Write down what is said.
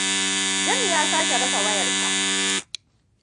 Jami ya sake rasa wayar sa.